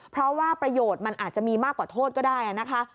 เพราะว่าประโยชน์มันอาจจะมีมากกว่าโทษก็ได้นะคะ